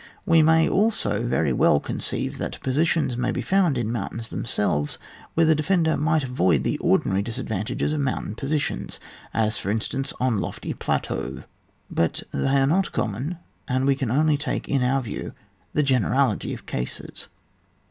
We may also very well conceive that positions may be found in mountains themselves where the defender might avoid the ordi nary disadvantages of moimtain positions, as, for instance, on lofty plateaux; but tliey are not common, and we can only take into our view the generality of cases.